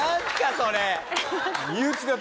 それ。